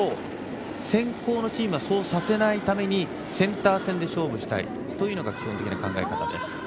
先攻のチームはそうさせないためにセンター戦で勝負したいというのが基本的な考え方です。